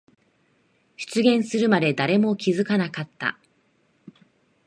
出現するまで誰も気づかなかった。